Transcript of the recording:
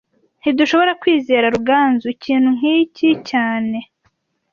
Ntidushobora kwizera Ruganzu ikintu nkiki cyane